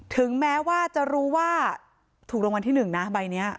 ถึงแม้ว่าจะรู้ว่าถูกรางวัลที่๑นะใบนี้